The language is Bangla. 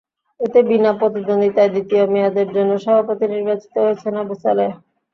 এতে বিনা প্রতিদ্বন্দ্বিতায় দ্বিতীয় মেয়াদের জন্য সভাপতি নির্বাচিত হয়েছেন আবু সালেহ।